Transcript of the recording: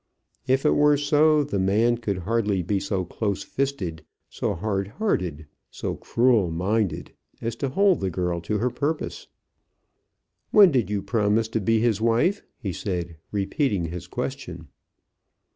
If it were so, the man could hardly be so close fisted, so hard hearted, so cruel minded, as to hold the girl to her purpose! "When did you promise to be his wife?" he said, repeating his question.